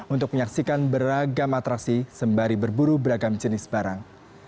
untuk menyaksikan beragam atraksi sembari berburu beragam jenis barang